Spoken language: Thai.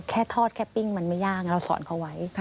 แค่ทอดแค่ปิ้งมันไม่ยากเราสอนเขาไว้